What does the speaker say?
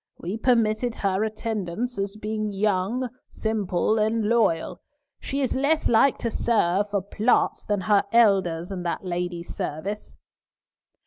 We permitted her attendance, as being young, simple, and loyal; she is less like to serve for plots than her elders in that lady's service."